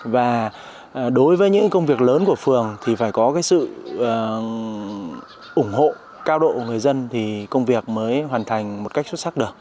và đối với những công việc lớn của phường thì phải có sự ủng hộ cao độ của người dân thì công việc mới hoàn thành một cách xuất sắc được